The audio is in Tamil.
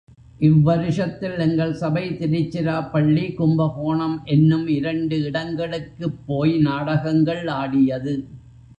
இவ் வருஷத்தில் எங்கள் சபை திருச்சிராப்பள்ளி, கும்பகோணம் என்னும் இரண்டு இடங்களுக்குப் போய் நாடகங்கள் ஆடியது.